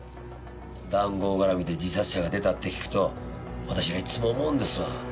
談合絡みで自殺者が出たって聞くと私らいつも思うんですわ。